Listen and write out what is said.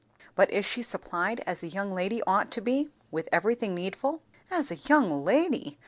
"But is she supplied as a young lady ought to be, with everything needful?" "As a young lady!